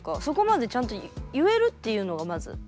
そこまでちゃんと言えるっていうのがまず。